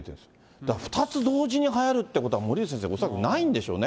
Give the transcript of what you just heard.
だから２つ同時にはやるということは森内先生、恐らくないんでしょうね。